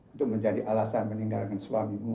untuk menjadi alasan meninggalkan suamimu